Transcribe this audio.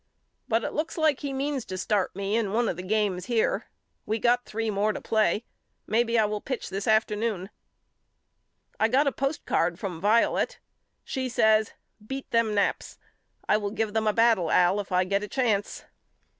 But it looks like he means to start me in one of the games here. We got three more to play. Maybe I will 34 YOU KNOW ME AL pitch this afternoon. I got a postcard from Vio let. She says Beat them Naps. I will give them a battle Al if I get a chance.